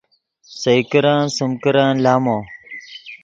سئے کرن سیم کرن لامو